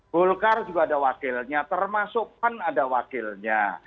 golkar juga ada wakilnya termasuk pan ada wakilnya